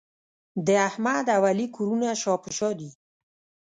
د احمد او علي کورونه شا په شا دي.